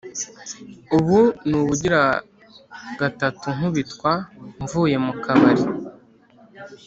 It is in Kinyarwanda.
ubu ni ubugira gatatunkubitwa mvuye mu kbabari,